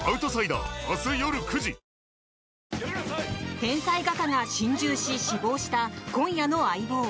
天才画家が心中し、死亡した今夜の「相棒」。